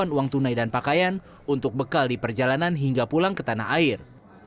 bantuan uang tunai dan pakaian untuk bekal di perjalanan hingga pulang ke tanah air